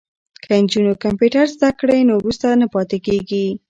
که نجونې کمپیوټر زده کړی نو وروسته نه پاتې کیږي.